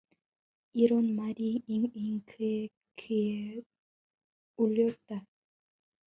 이런 말이 잉잉 그의 귀에 울렸다.